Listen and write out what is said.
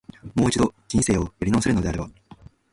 もう一度、人生やり直せるのであれば、